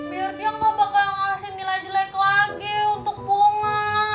biar dia nggak bakal ngasih nilai jelek lagi untuk bu nga